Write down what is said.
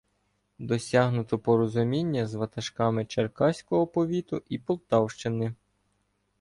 Досягнуто порозуміння з ватажками Черкаського повіту і Полтавщини.